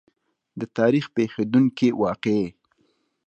د تاریخ پېښېدونکې واقعې.